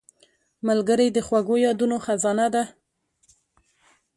ملګری د خوږو یادونو خزانه ده